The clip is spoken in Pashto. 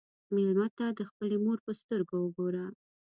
مېلمه ته د خپلې مور په سترګو وګوره.